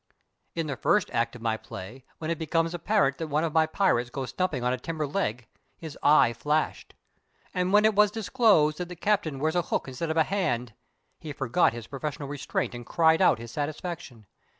In the first act of my play, when it becomes apparent that one of my pirates goes stumping on a timber leg, his eye flashed. And when it was disclosed that the captain wears a hook instead of hand, he forgot his professional restraint and cried out his satisfaction.